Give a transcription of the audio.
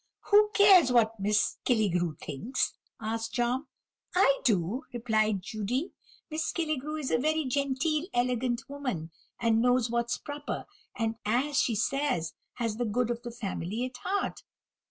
"Who cares what Miss Killigrew thinks?" asked Tom. "I do," replied Judy; "Miss Killigrew is a very genteel, elegant woman, and knows what's proper; and, as she says, has the good of the family at heart."